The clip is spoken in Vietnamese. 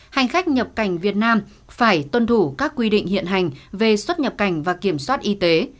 hành khách nhập cảnh việt nam phải tuân thủ các quy định hiện hành về xuất nhập cảnh và kiểm soát y tế